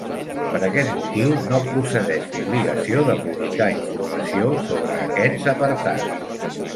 Per aquest motiu, no procedeix l'obligació de publicar informació sobre aquests apartats.